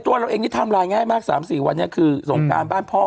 ตัวเราเองนี่ไทม์ไลน์ง่ายมาก๓๔วันนี้คือสงการบ้านพ่อ